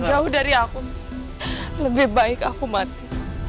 jauh dari aku lebih baik aku mati